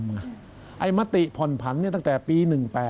มติผ่อนผันตั้งแต่ปี๑๘